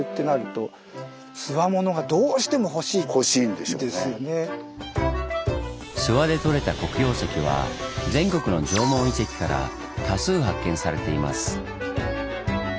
諏訪でとれた黒曜石は全国の縄文遺跡から多数発見されています。